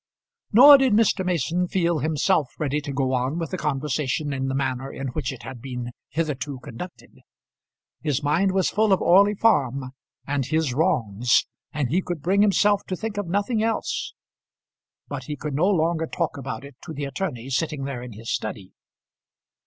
Nor did Mr. Mason feel himself ready to go on with the conversation in the manner in which it had been hitherto conducted. His mind was full of Orley Farm and his wrongs, and he could bring himself to think of nothing else; but he could no longer talk about it to the attorney sitting there in his study.